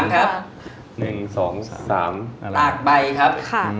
๓ครับ๑๒๓ตากใบครับค่ะ